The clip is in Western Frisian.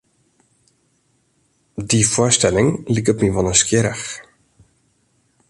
Dy foarstelling liket my wol nijsgjirrich.